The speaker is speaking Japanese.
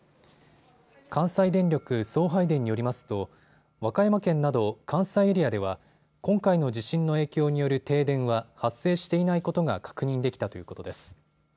関西電力送配電によりますと和歌山県など関西エリアでは今回の地震の影響による停電は発生していないことが確認できたということです。